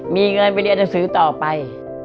มีเงินไปเรียนจะซื้อต่อไป